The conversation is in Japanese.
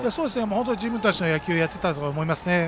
本当に自分たちの野球をやっていたと思います。